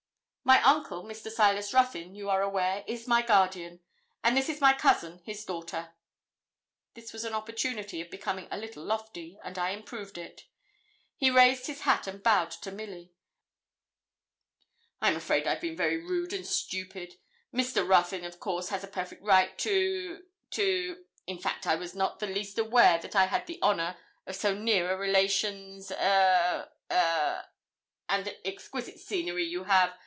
'My uncle, Mr. Silas Ruthyn, you are aware, is my guardian; and this is my cousin, his daughter.' This was an opportunity of becoming a little lofty, and I improved it. He raised his hat and bowed to Milly. 'I'm afraid I've been very rude and stupid. Mr. Ruthyn, of course, has a perfect right to to in fact, I was not the least aware that I had the honour of so near a relation's a a and what exquisite scenery you have!